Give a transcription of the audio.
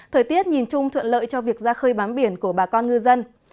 thời tiết nhìn chung thuận lợi cho việc ra khơi bám biển của bà con ngư dân